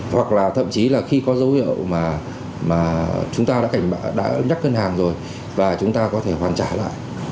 hoặc là thậm chí là khi có dấu hiệu mà chúng ta đã nhắc ngân hàng rồi và chúng ta có thể hoàn trả lại